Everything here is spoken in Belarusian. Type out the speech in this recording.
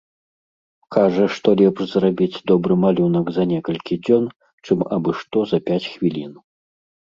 Кажа, што лепш зрабіць добры малюнак за некалькі дзён, чым абы-што за пяць хвілін.